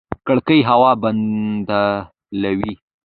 کړکۍ هوا بدلوي